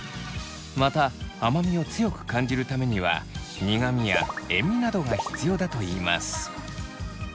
また甘味を強く感じるためには苦味や塩味などが必要だといいます。